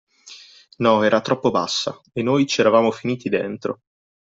No, era troppo bassa, e noi ci eravamo finiti dentro.